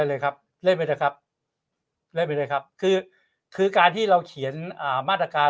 เลยครับเล่นไปเถอะครับเล่นไปเลยครับคือคือการที่เราเขียนอ่ามาตรการ